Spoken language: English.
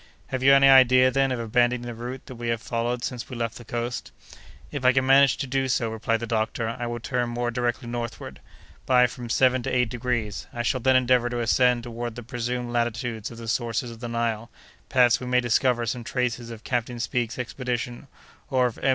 "Have you any idea, then, of abandoning the route that we have followed since we left the coast?" "If I can manage to do so," replied the doctor, "I will turn more directly northward, by from seven to eight degrees; I shall then endeavor to ascend toward the presumed latitudes of the sources of the Nile; perhaps we may discover some traces of Captain Speke's expedition or of M.